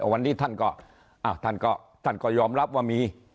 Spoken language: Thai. วันนี้ท่านก็ท่านก็ยอมรับว่ามี